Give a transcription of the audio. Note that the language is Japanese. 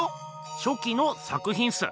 初期の作品っす。